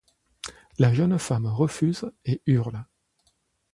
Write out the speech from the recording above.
La jeune femme refuse et hurle.